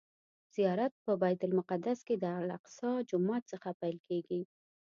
زیارت په بیت المقدس کې د الاقصی جومات څخه پیل کیږي.